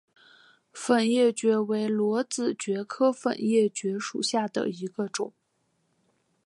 粉叶蕨为裸子蕨科粉叶蕨属下的一个种。